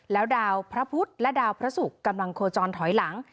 แล้วดาวพระพุทธและดาวพระศุกร์กำลังโคจรถอยหลัง